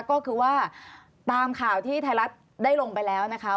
ก็คือว่าตามข่าวที่ไทยรัฐได้ลงไปแล้วนะคะ